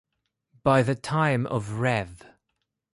By the time of Rev.